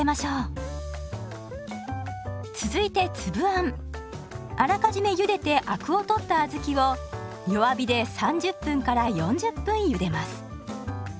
続いてあらかじめゆでてアクを取った小豆を弱火で３０分４０分ゆでます。